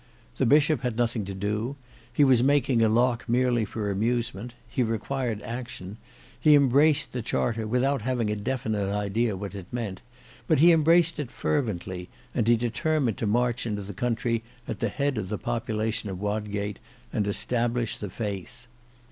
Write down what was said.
The Bishop had nothing to do; he was making a lock merely for amusement; he required action; he embraced the Charter, without having a definite idea what it meant, but he embraced it fervently, and he determined to march into the country at the head of the population of Wodgate, and establish the faith.